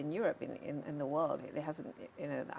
yang terbaik yang telah terjadi di eropa